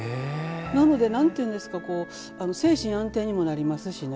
なので、何というんですか精神安定にもなりますしね。